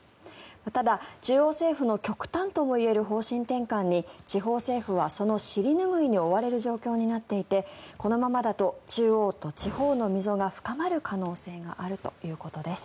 ただ、中央政府の極端ともいえる方針転換に地方政府はその尻拭いに追われる状況になっていてこのままだと中央と地方の溝が深まる可能性があるということです。